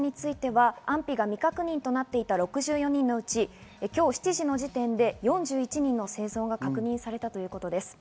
安否不明者については安否が未確認となっていた６４人のうち、今日７時の時点で４１人の生存が確認されるということです。